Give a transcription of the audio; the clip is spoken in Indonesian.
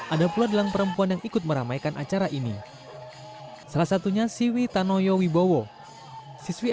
ada pula dalam perempuan yang ikut meramaikan acara ini salah satunya siwi tanoyo wibowo siswi